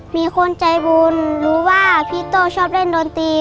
มีคนใจบุญรู้ว่าพี่โต้ชอบเล่นดนตรี